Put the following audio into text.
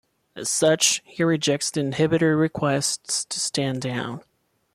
As such, he rejects the Inhibitor requests to stand down.